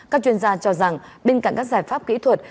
các chuyên gia cho rằng bên cạnh các giải pháp kỹ thuật